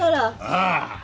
ああ。